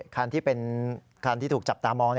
คันที่เป็นคันที่ถูกจับตามอง